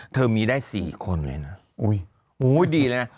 เธอมีได้สี่คนเลยนะโอ้ยโอ้ยดีเลยนะ